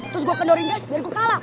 terus gua ke dorindas biar gua kalah